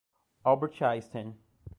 Albert Einstein.